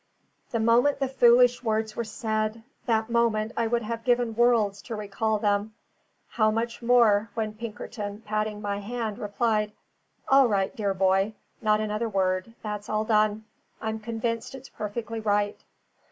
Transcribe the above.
The moment the foolish words were said, that moment I would have given worlds to recall them: how much more, when Pinkerton, patting my hand, replied: "All right, dear boy; not another word; that's all done. I'm convinced it's perfectly right."